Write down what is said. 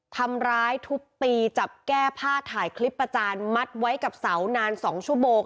ทำร้ายทุบตีจับแก้ผ้าถ่ายคลิปประจานมัดไว้กับเสานาน๒ชั่วโมง